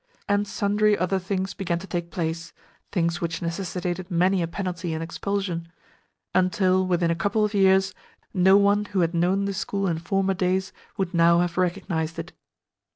And sundry other things began to take place things which necessitated many a penalty and expulsion; until, within a couple of years, no one who had known the school in former days would now have recognised it.